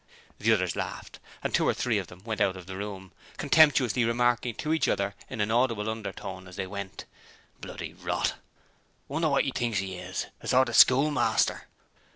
The others laughed, and two or three of them went out of the room, contemptuously remarking to each other in an audible undertone as they went: 'Bloody rot!' 'Wonder wot the bloody 'ell 'e thinks 'e is? A sort of schoolmaster?'